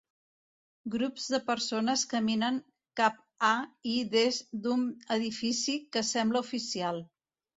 Grups de persones caminen cap a i des d'un edifici que sembla oficial.